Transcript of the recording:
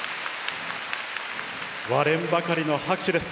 割れんばかりの拍手です。